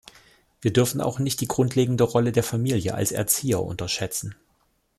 Wir dürfen auch nicht die grundlegende Rolle der Familie als Erzieher unterschätzen.